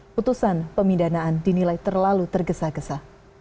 putusan pemidanaan dinilai terlalu tergesa gesa